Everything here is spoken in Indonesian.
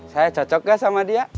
saya cocok gak sama dia